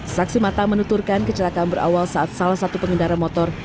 saksi mata menuturkan kecelakaan berawal saat salah satu pengendara motor